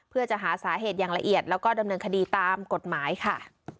เพื่อจะหาสาเหตุอย่างละเอียดแล้วก็ดำเนินคดีตามกฎหมายค่ะ